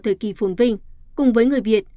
thời kỳ phồn vinh cùng với người việt